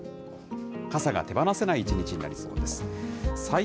あすも傘が手放せない一日になりそうです。